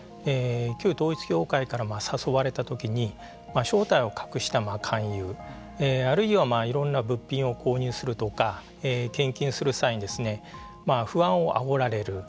旧統一教会から誘われたときに正体を隠した勧誘あるいはいろんな物品を購入するとか献金する際に不安をあおられる。